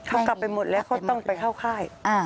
เขากลับไปหมดแล้วเขาต้องไปเข้าค่าย